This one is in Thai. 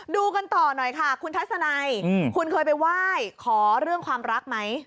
ดูกันต่อหน่อยค่ะคุณทัศนัยคุณเคยไปไหว้ขอเรื่องความรักไหม